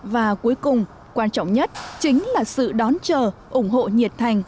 và cuối cùng quan trọng nhất chính là sự đón chờ ủng hộ nhiệt thành